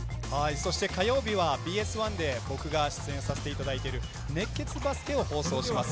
そして火曜日はＢＳ１で僕が出演させていただいている「熱血バスケ」を放送します。